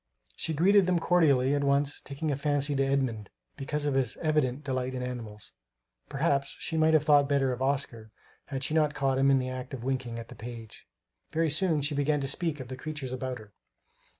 She greeted them cordially, at once taking a fancy to Edmund because of his evident delight in animals. Perhaps she might have thought better of Oscar, had she not caught him in the act of winking at the page. Very soon she began to speak of the creatures about her.